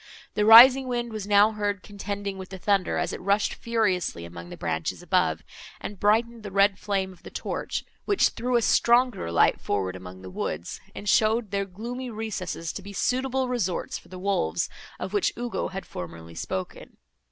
The rising wind was now heard contending with the thunder, as it rushed furiously among the branches above, and brightened the red flame of the torch, which threw a stronger light forward among the woods, and showed their gloomy recesses to be suitable resorts for the wolves, of which Ugo had formerly spoken.